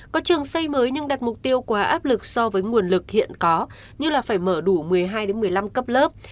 có trường xây mới nhưng đặt mục tiêu quá áp lực so với nguồn lực hiện có như là phải mở đủ một mươi hai một mươi năm cấp lớp